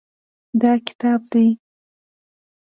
دا کتاب دی.